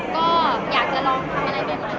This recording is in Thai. ก็อยากจะลองทำอะไรใหม่